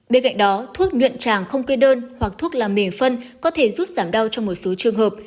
bên cạnh đó thuốc nguyện tràng không quê đơn hoặc thuốc làm mềm phân có thể giúp giảm đau trong một số trường hợp